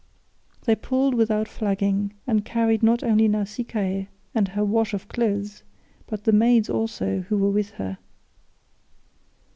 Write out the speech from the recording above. They pulled without flagging, and carried not only Nausicaa and her wash of clothes, but the maids also who were with her.